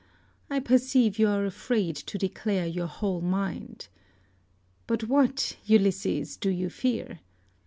I perceive you are afraid to declare your whole mind. But what, Ulysses, do you fear?